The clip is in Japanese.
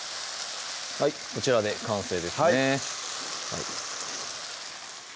はいこちらで完成ですね